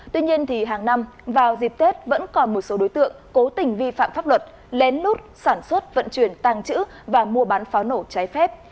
tuy nhiên hàng năm vào dịp tết vẫn còn một số đối tượng cố tình vi phạm pháp luật lén lút sản xuất vận chuyển tàng trữ và mua bán pháo nổ trái phép